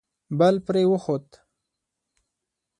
بل پرې وخوت.